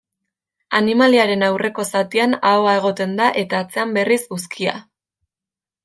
Animaliaren aurreko zatian ahoa egoten da eta atzean berriz uzkia.